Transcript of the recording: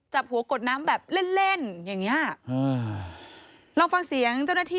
จับหัวกดน้ำแบบเล่นอย่างเนี่ย